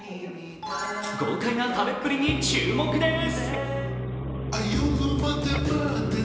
豪快な食べっぷりに注目です。